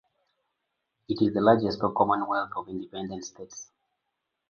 It is the largest in Commonwealth of Independent States.